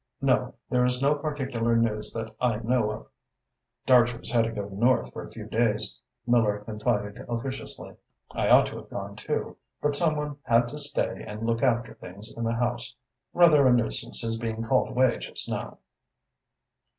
No, there is no particular news that I know of." "Dartrey's had to go north for a few days," Miller confided officiously. "I ought to have gone too, but some one had to stay and look after things in the House. Rather a nuisance his being called away just now."